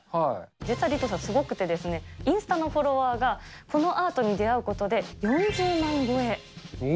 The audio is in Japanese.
実はリトさん、すごくてですね、インスタのフォロワーがこのアートに出会うことで４０万超え。